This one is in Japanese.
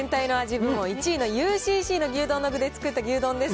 部門１位のＵＣＣの牛丼の具で作った牛丼です。